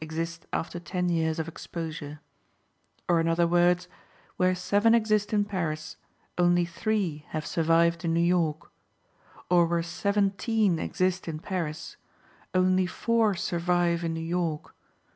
exist after ten years of exposure; or, in other words, where seven exist in Paris, only three have survived in New York, or where seventeen exist in Paris, only four survive in New York.